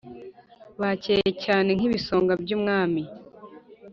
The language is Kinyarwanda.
Bacyeye cyane nk’ibisonga by’umwami